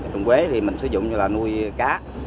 trồng quế thì mình sử dụng như là nuôi cá